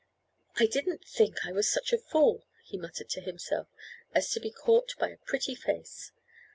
"I didn't think I was such a fool," he muttered to himself, "as to be caught by a pretty face.